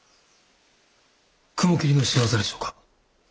雲霧の仕業でしょうか？